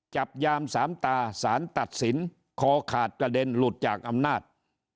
จับยามสามตาสารตัดสินคอขาดกระเด็นหลุดจากอำนาจ